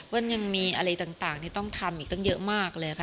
มันยังมีอะไรต่างที่ต้องทำอีกตั้งเยอะมากเลยค่ะ